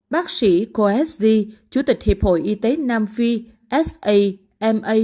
bác sĩ khoa s d chủ tịch hiệp hội y tế nam phi s a m a